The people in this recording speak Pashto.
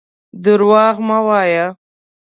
درواغ مه وايه.